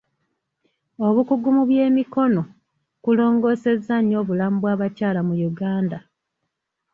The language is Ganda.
Obukugu mu by'emikono kulongoosezza nnyo obulamu bw'abakyala mu Uganda.